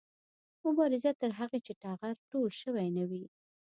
مبارزه تر هغې چې ټغر ټول شوی نه وي